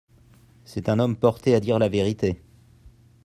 C'est un homme porté à dire la vérité.